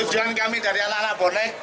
tujuan kami dari anak anak boleh